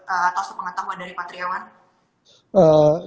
atau sepengetahuan dari pak triawan